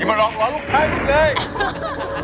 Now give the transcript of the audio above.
ไม่มารอเวลาลูกชายอีกเลย